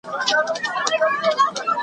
رمې اوتري ګرځي .